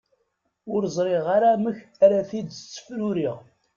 Ur ẓriɣ ara amek ara tt-id-ssefruriɣ?